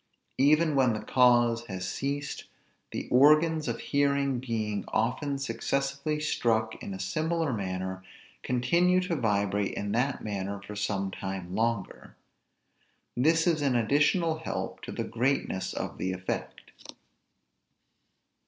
Even when the cause has ceased, the organs of hearing being often successively struck in a similar manner, continue to vibrate in that manner for some time longer; this is an additional help to the greatness of the effect.